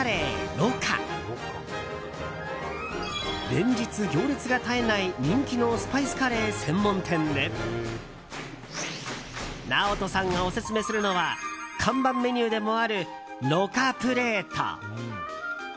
連日、行列が絶えない人気のスパイスカレー専門店でＮＡＯＴＯさんがオススメするのは看板メニューでもあるろかプレート。